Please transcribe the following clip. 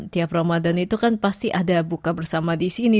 tiap ramadan itu kan pasti ada buka bersama di sini